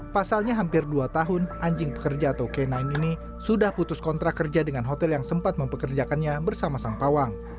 pasalnya hampir dua tahun anjing pekerja atau k sembilan ini sudah putus kontrak kerja dengan hotel yang sempat mempekerjakannya bersama sang pawang